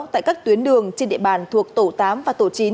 tại các tuyến đường trên địa bàn thuộc tổ tám và tổ chín